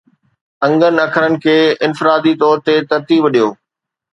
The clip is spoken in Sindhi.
انگن اکرن کي انفرادي طور تي ترتيب ڏيو